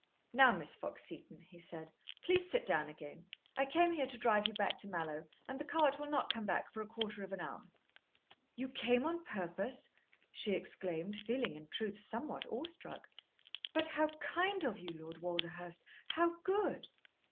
"Now, Miss Fox Seton," he said, "please sit down again. I came here to drive you back to Mallowe, and the cart will not come back for a quarter of an hour." "You came on purpose!" she exclaimed, feeling, in truth, somewhat awe struck. "But how kind of you, Lord Walderhurst how good!"